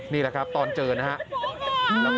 นี่แหละครับตอนเจอนะครับ